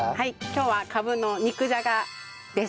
今日はカブの肉じゃがです。